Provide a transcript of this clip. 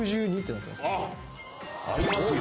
ありますか。